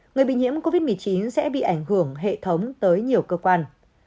người bị nhiễm covid một mươi chín sẽ bị ảnh hưởng hệ thống tới nhiều cơ quan